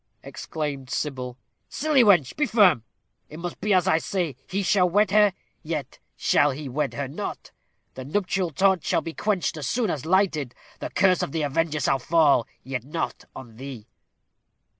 exclaimed Sybil. "Silly wench, be firm. It must be as I say. He shall wed her yet shall he wed her not. The nuptial torch shall be quenched as soon as lighted; the curse of the avenger shall fall yet not on thee."